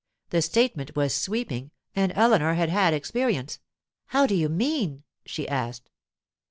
The statement was sweeping, and Eleanor had had experience. 'How do you mean?' she asked.